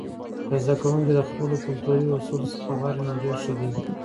که زده کوونکي د خپلو کلتور اصولو څخه خبر وي، نو ډیر ښه دی.